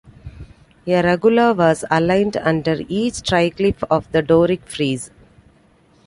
A "regula" was aligned under each triglyph of the Doric frieze.